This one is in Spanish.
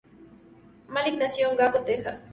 Malick nació en Waco, Texas.